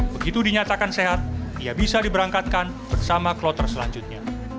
begitu dinyatakan sehat ia bisa diberangkatkan bersama kloter selanjutnya